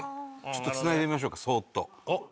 ちょっとつないでみましょうかそーっと。